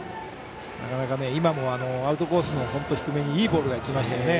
今もアウトコースの低めにいいボールがいきましたね。